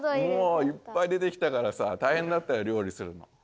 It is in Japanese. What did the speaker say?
もういっぱい出てきたからさ大へんだったよ料理するの。